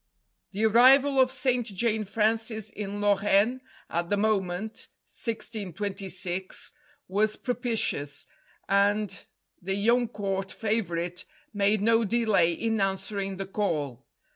The arrival of St. Jane Frances in Lorraine at the moment (1626) was propitious, and the young Court favourite made no delay in answering the call.